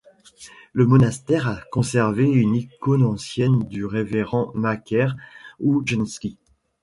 Le monastère a conservé une icône ancienne du révérend Macaire Ounjenski.